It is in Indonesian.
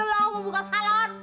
lo mau membuka salon